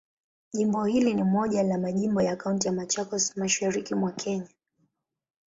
Jimbo hili ni moja ya majimbo ya Kaunti ya Machakos, Mashariki mwa Kenya.